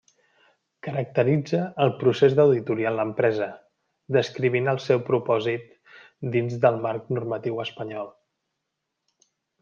Caracteritza el procés d'auditoria en l'empresa, descrivint el seu propòsit dins del marc normatiu espanyol.